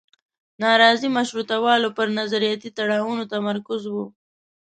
نارضي مشروطیه والو پر نظریاتي تړاوونو تمرکز و.